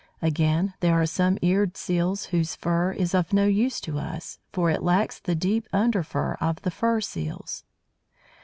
Again, there are some Eared Seals whose fur is of no use to us, for it lacks the deep under fur of the fur Seals.